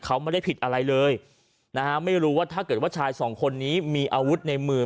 เขาไม่ได้ผิดอะไรเลยนะฮะไม่รู้ว่าถ้าเกิดว่าชายสองคนนี้มีอาวุธในมือ